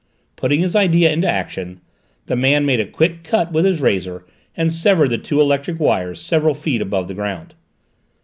Putting his idea into action, the man made a quick cut with his razor and severed the two electric wires several feet above the ground.